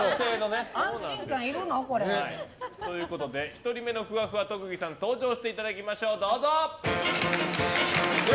１人目のふわふわ特技さん登場していただきましょう。